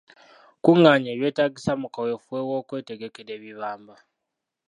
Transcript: Kungaanya ebyetaagisa mu kaweefube w'okwetegekera ebibamba.